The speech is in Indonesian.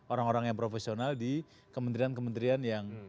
orang orang yang profesional di kementerian kementerian yang